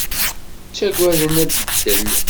Ttagaden abeddel.